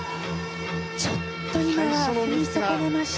ちょっと今跳び損ねました。